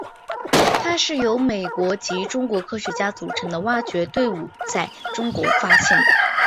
它是由美国及中国科学家组成的挖掘队伍在中国发现的。